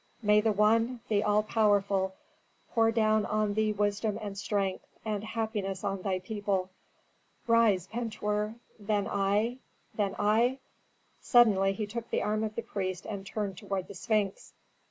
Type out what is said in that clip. "May the One, the All Powerful, pour down on thee wisdom and strength, and happiness on thy people." "Rise, Pentuer! Then I then I " Suddenly he took the arm of the priest and turned toward the Sphinx.